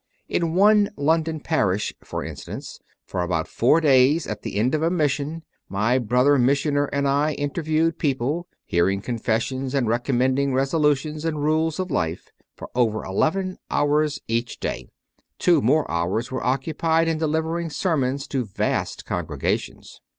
In one London parish, for instance, for about four days at the end of a mission, my brother missioner and I interviewed people, hearing confessions and recommending resolutions and rules of life, for over eleven hours each day; two more hours were occupied in delivering sermons to vast congregations.